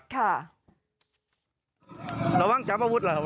ปล่อยมือไหวน้ำไหว